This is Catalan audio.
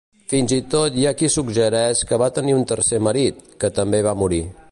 Fins i tot hi ha qui suggereix que va tenir un tercer marit, que també va morir.